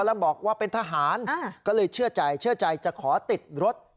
แล้วบอกว่าเป็นทหารก็เลยเชื่อใจเชื่อใจจะขอติดรถ